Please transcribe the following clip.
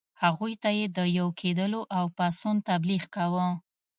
هغوی ته یې د یو کېدلو او پاڅون تبلیغ کاوه.